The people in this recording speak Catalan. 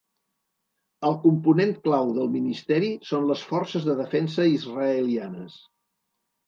El component clau del ministeri són les Forces de Defensa Israelianes.